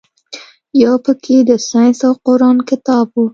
يو پکښې د ساينس او قران کتاب و.